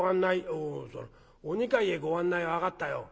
「おその『お二階へご案内』は分かったよ。